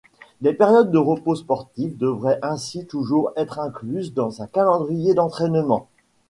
Des périodes de repos sportifs devraient ainsi toujours être incluses dans un calendrier d'entraînement.